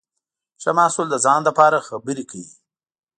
ښه محصول د ځان لپاره خبرې کوي.